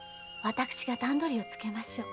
私が段どりをつけましょう。